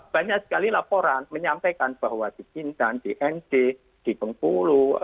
banyak sekali laporan menyampaikan bahwa di bintan di nd di bengkulu